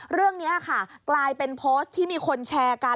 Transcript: เรื่องนี้ค่ะกลายเป็นโพสต์ที่มีคนแชร์กัน